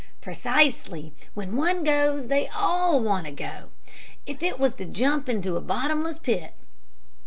"Precisely; when one goes they all want to go, if it was to jump into a bottomless pit.